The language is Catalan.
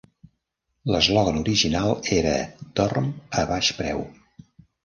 L'eslògan original era "Dorm a baix preu".